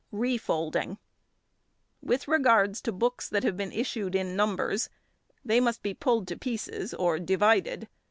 Refolding.—With regard to books that have been issued in numbers, they must be pulled to pieces or divided.